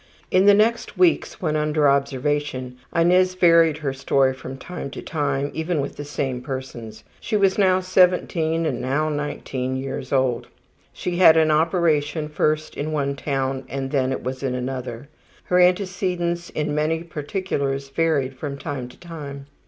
In the next weeks, when under observation, Inez varied her story from time to time even with the same persons. She was now 17 and now 19 years old. She had an operation first in one town and then it was in another. Her antecedents in many particulars varied from time to time.